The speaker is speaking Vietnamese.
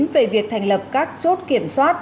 về việc thành lập các chốt kiểm soát